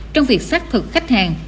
trong việc phát thực khách hàng